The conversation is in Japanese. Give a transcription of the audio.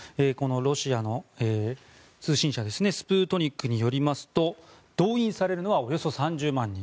ロシアの通信社スプートニクによりますと動員されるのはおよそ３０万人。